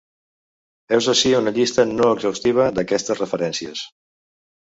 Heus ací una llista no exhaustiva d'aquestes referències.